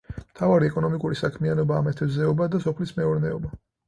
მთავარი ეკონომიკური საქმიანობაა მეთევზეობა და სოფლის მეურნეობა.